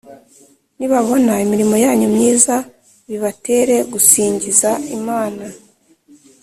nibabona imirimo yanyu myiza bibatere gusingiza Imana